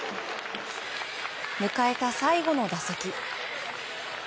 迎えた最後の打席。